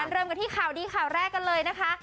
เริ่มกันที่ข่าวดีข่าวแรกกันเลยนะคะ